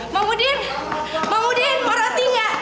mamudin mamudin mau roti gak